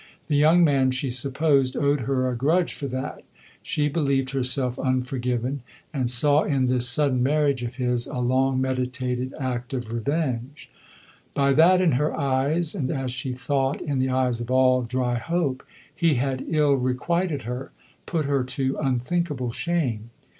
The young man, she supposed, owed her a grudge for that; she believed herself unforgiven, and saw in this sudden marriage of his a long meditated act of revenge. By that in her eyes (and as she thought, in the eyes of all Dryhope) he had ill requited her, put her to unthinkable shame.